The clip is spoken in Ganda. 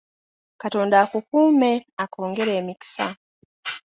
Katonda akukuume akwongere emikisa